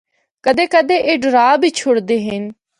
کدے کدے اے ڈرا بھی چُھڑدے ہن۔